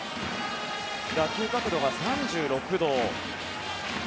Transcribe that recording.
打球角度が３６度。